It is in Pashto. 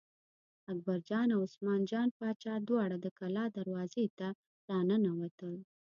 اکبرجان او عثمان جان باچا دواړه د کلا دروازې ته را ننوتل.